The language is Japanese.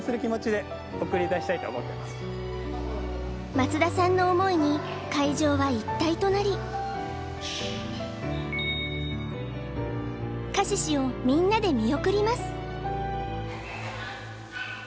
松田さんの想いに会場は一体となりカシシをみんなで見送ります